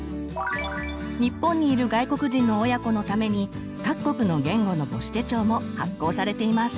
日本にいる外国人の親子のために各国の言語の母子手帳も発行されています。